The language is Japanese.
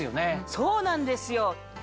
そうなんですよ。